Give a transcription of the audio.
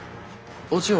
お千代？